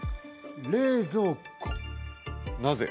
冷蔵庫なぜ？